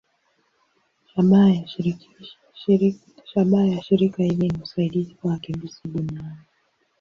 Shabaha ya shirika hili ni usaidizi kwa wakimbizi duniani.